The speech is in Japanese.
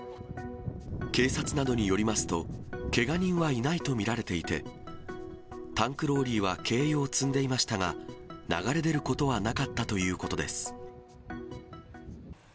警察などによりますと、けが人はいないと見られていて、タンクローリーは軽油を積んでいましたが、流れ出ることはなかったということです。